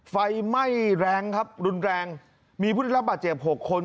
ไฟไหม้แรงครับรุนแรงมีผู้ได้รับบาดเจ็บ๖คน